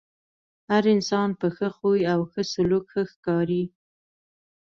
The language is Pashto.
هر انسان په ښۀ خوی او ښۀ سلوک ښۀ ښکاري .